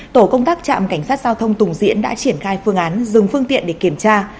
tổ công tác trạm cảnh sát giao thông tùng diễn đã triển khai phương án dừng phương tiện để kiểm tra